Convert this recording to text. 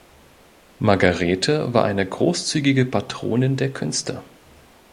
Margarethe war eine großzügige Patronin der Künste.